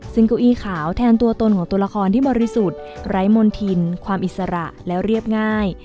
ซึ่งเก้าอี้ขาวแทนตัวตนของตัวละครที่บริสุทธิ์ไร้มนธินความอิสระและเรียบง่าย